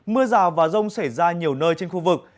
mưa rào và rông xảy ra nhiều nơi trên khu vực